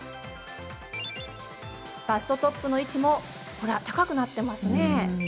バストトップの位置も高くなっていますよね。